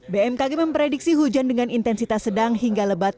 bmkg memprediksi hujan dengan intensitas sedang hingga lebat